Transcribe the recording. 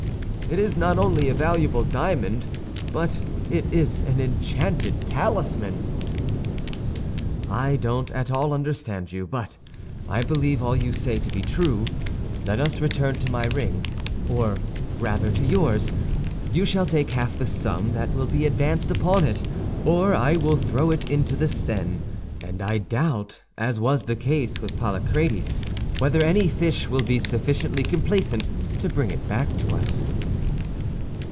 It is not only a valuable diamond, but it is an enchanted talisman." "I don't at all understand you, but I believe all you say to be true. Let us return to my ring, or rather to yours. You shall take half the sum that will be advanced upon it, or I will throw it into the Seine; and I doubt, as was the case with Polycrates, whether any fish will be sufficiently complaisant to bring it back to us."